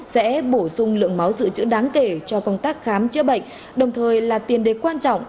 sẽ bổ sung lượng máu dự trữ đáng kể cho công tác khám chữa bệnh đồng thời là tiền đề quan trọng